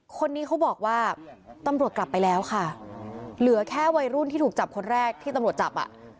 คนนี้เขาบอกว่าตำรวจกลับไปแล้วค่ะเหลือแค่วัยรุ่นที่ถูกจับคนแรกที่ตำรวจจับอ่ะ